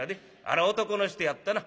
あれは男の人やったな。